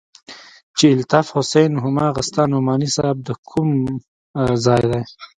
چې الطاف حسين هماغه ستا نعماني صاحب د کوم ځاى دى.